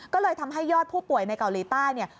ก็เลยทำให้ยอดผู้ป่วยในเกาหลีใต้เนี่ย